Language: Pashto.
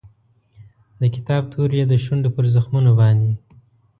د کتاب توري یې د شونډو پر زخمونو باندې